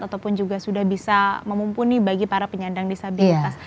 ataupun juga sudah bisa memumpuni bagi para penyandang disabilitas